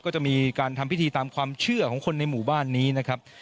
ก็จะมีการทำพิธีตามความเชื่อของคนในหมู่บ้านนี้นะครับ